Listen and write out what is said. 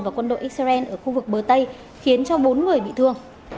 và quân đội israel ở khu vực bờ tây khiến cho bốn người bị thương